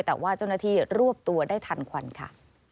แต่ว่าเจ้าหน้าที่รวบตัวได้ทันควันค่ะ